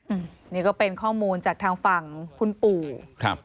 อืมนี่ก็เป็นข้อมูลจากทางฝั่งคุณปู่ครับ